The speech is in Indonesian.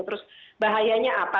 terus bahayanya apa